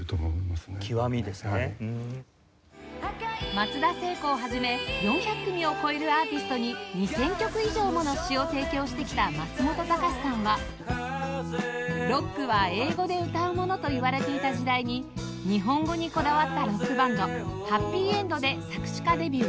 松田聖子を始め４００組を超えるアーティストに２０００曲以上もの詞を提供してきた松本隆さんはロックは英語で歌うものといわれていた時代に日本語にこだわったロックバンドはっぴいえんどで作詞家デビュー